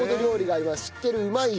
知ってるうまいよ。